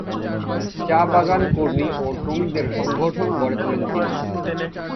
চা বাগান কর্মী ও শ্রমিকদের সংগঠন গড়ে তোলেন তিনি।